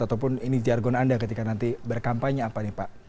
ataupun ini jargon anda ketika nanti berkampanye apa nih pak